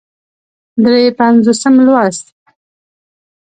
درې پينځوسم لوست